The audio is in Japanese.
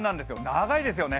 長いですよね。